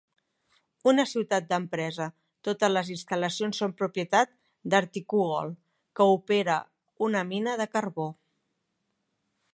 Una ciutat d'empresa, totes les instal·lacions són propietat d'Arktikugol, que opera una mina de carbó.